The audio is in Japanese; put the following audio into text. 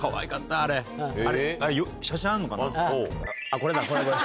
これだこれこれ。